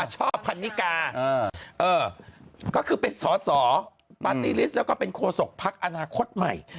พันนิกาก็คือเป็นสอสอปาร์ตี้ลิสต์แล้วก็เป็นโคศกพักอนาคตใหม่